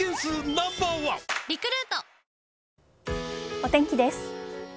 お天気です。